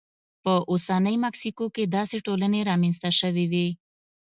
په اوسنۍ مکسیکو کې داسې ټولنې رامنځته شوې وې.